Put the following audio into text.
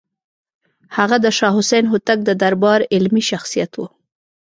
هغه د شاه حسین هوتک د دربار علمي شخصیت و.